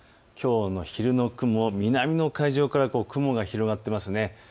きょうの昼の雲、南の海上から雲が広がっていますね。